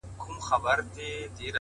علم د فکر جوړښت بدلوي